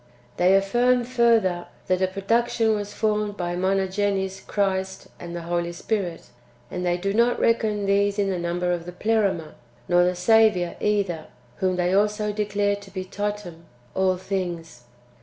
They affirm further, that a produc tion was formed by Monogenes — Christ and the Holy Spirit ; and they do not reckon these in the number of the Pleroma, nor the Saviour either, whom they also declare to be Totiim^ (all things).